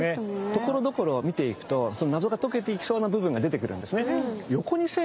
ところどころを見ていくとその謎が解けていきそうな部分が出てくるんですね。